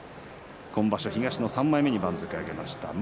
今場所、東の３枚目に番付を上げました。